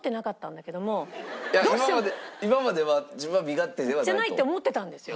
今まで今までは自分は身勝手ではないと？じゃないって思ってたんですよ。